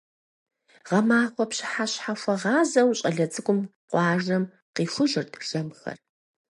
Гъэмахуэ пщыхьэщхьэхуэгъазэу щӏалэ цӏыкӏум къуажэм къихужырт жэмхэр.